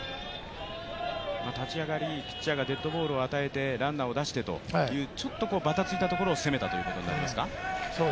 立ち上がり、ピッチャーがデッドボールを与えてランナーを出してというばたついたところを攻めたということになりますか。